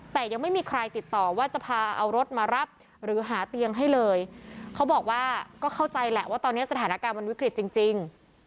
แต่ยังไม่มีใครติดต่อว่าจะพาเอารถมารับหรือหาเตียงให้เลยเขาบอกว่าก็เข้าใจแหละว่าตอนนี้สถานการณ์มันวิกฤตจริงจริง